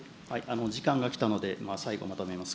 時間が来たので、最後まとめます。